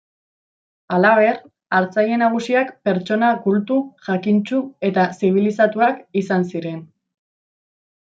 Halaber, hartzaile nagusiak pertsona kultu, jakintsu eta zibilizatuak izan ziren.